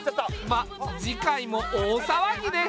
まっ次回も大騒ぎです。